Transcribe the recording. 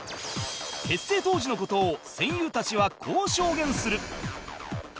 結成当時の事を戦友たちはこう証言する